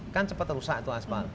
kan cepat rusak itu asfal